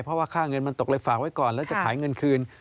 เพราะว่าค่าเงินมันตกเลยฝากไว้ก่อนแล้วจะขายเงินคืน